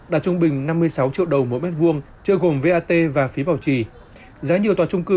đạt trung bình năm mươi sáu triệu đồng mỗi mét vuông trợ gồm vat và phí bảo trì giá nhiều tòa trung cư